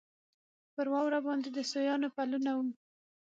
پر واوره باندې د سویانو پلونه وو.